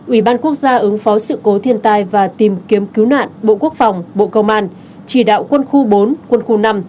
ủy ban quốc gia ứng phó sự cố thiên tai và tìm kiếm cứu nạn bộ quốc phòng bộ công an chỉ đạo quân khu bốn quân khu năm